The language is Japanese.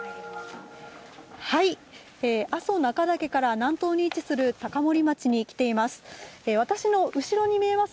阿蘇中岳から南東に位置する高森町に来ています。